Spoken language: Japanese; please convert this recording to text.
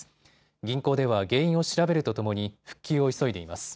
銀行では原因を調べるとともに復旧を急いでいます。